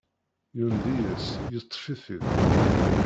Yundi-as, yeṭṭef-it-id.